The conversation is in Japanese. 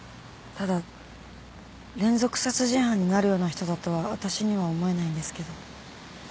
ただ連続殺人犯になるような人だとは私には思えないんですけど。